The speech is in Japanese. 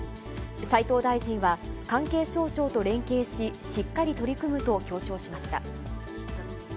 斉藤大臣は、関係省庁と連携し、しっかり取り組むと強調しました。